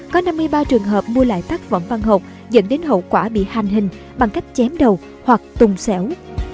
có năm mươi ba trường hợp mua lại tác phẩm văn hộp dẫn đến hậu quả bị hành hình bằng cách chém đầu hoặc tùng xẻo